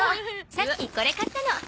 さっきこれ買ったの。